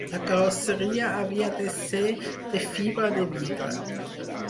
La carrosseria havia de ser de fibra de vidre.